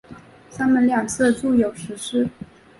山门两侧筑有石狮。